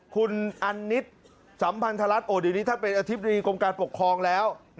คุณอันนิสสัมพันธรรมดิการปกครองแล้ว